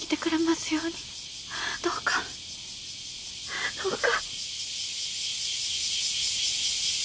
どうかどうか。